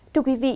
thưa quý vị